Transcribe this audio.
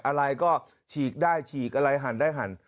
อะไรก็ฉีกได้ฉีกอะไรหั่นได้หั่น